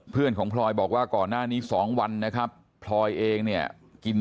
เพื่อนของพลอยบอกว่าก่อนหน้านี้๒วันนะครับพลอยเองเนี่ยกิน